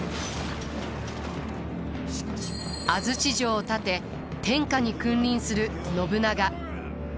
安土城を建て天下に君臨する信長。